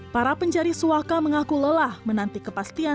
para pencari suaka mengaku lelah menanti kepastian